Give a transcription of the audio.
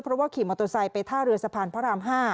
เพราะว่าขี่มอเตอร์ไซค์ไปท่าเรือสะพานพระราม๕